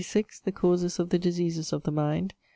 The Causes of the Diseases of the Mind.